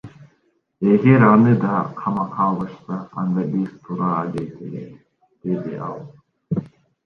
Эгер аны да камакка алышса анда биз туура дейт элек, — деди ал.